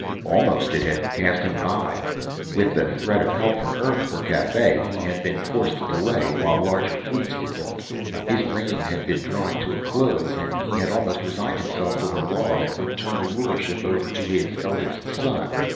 Almost, it had passed him by. With the threat of help from Earth for Cathay, he had been forced to delay while larger fleets were built. His reign had been drawing to a close and he had almost resigned himself to the law that would turn the rulership over to his eldest son.